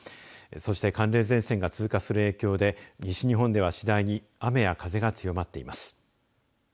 そして、寒冷前線が通過する影響で、西日本では次第に雨や風が強まっています。